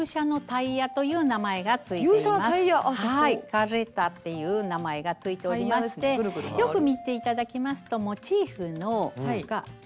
「カレッタ」っていう名前が付いておりましてよく見て頂きますとモチーフが全部種類が違います。